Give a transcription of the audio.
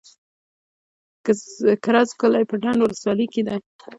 کرز کلی په ډنډ ولسوالۍ کي دی.